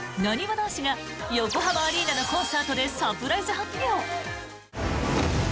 男子が横浜アリーナのコンサートでサプライズ発表！